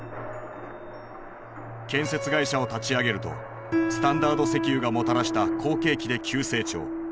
建設会社を立ち上げるとスタンダード石油がもたらした好景気で急成長。